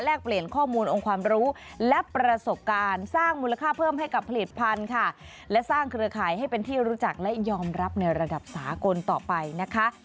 เปลี่ยนข้อมูลองค์ความรู้และประสบการณ์สร้างมูลค่าเพิ่มให้กับผลิตภัณฑ์ค่ะและสร้างเครือข่ายให้เป็นที่รู้จักและยอมรับในระดับสากลต่อไปนะคะ